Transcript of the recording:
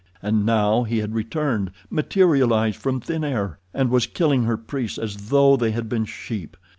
And now he had returned—materialized from thin air—and was killing her priests as though they had been sheep.